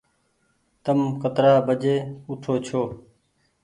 تم ڪترآ بجي اوٺو ڇو ۔